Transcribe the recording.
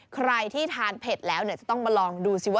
ใครที่ทานเผ็ดแล้วเนี่ย